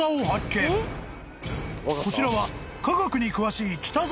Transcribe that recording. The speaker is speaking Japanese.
［こちらは科学に詳しい］